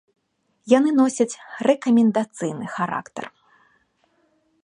Яны носяць рэкамендацыйны характар.